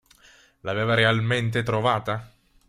L'aveva realmente trovata?